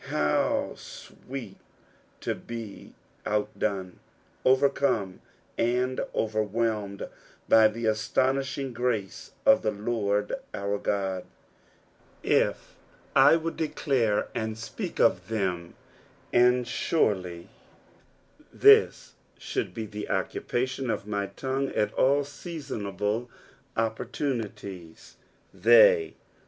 How sweet to be outdone, overcome and overwhelmed by the astonishing grace of the Lord our God I "fy I would dedare and tjieak of them," and surely this should be thu occupation of my tongue at all seasonable opportunities, " th^ 364 KPOsinoNB OB the psalms.